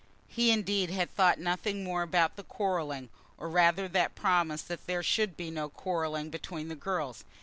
He indeed had thought nothing more about that quarrelling, or rather that promise that there should be no quarrelling, between the girls.